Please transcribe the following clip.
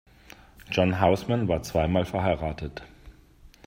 John Houseman war zweimal verheiratet.